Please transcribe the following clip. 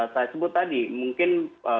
saya sebut tadi mungkin